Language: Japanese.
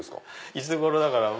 いつ頃だから。